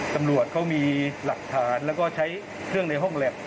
ตำรวจเขามีหลักฐานแล้วก็ใช้เครื่องในห้องแล็บ